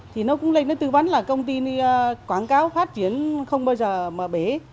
thì nó cũng lên tư vấn là công ty quảng cáo phát triển không bao giờ bể